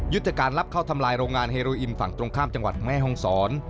จากการรับเข้าทำลายโรงงานเฮรูอินฝั่งตรงข้ามจังหวัดแม่ห้องศร